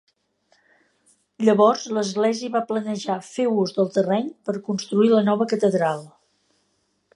Llavors, l'església va planejar fer ús del terreny per construir la nova catedral.